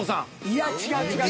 いや違う違う。